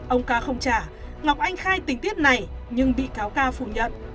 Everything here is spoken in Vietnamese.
ông ca không trả ngọc anh khai tình tiết này nhưng bị cáo ca phủ nhận